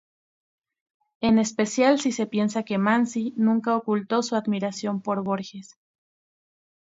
En especial si se piensa que Manzi nunca ocultó su admiración por Borges.